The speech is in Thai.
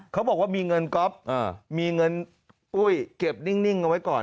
เขาบอกว่ามีเงินก๊อฟมีเงินปุ้ยเก็บนิ่งเอาไว้ก่อน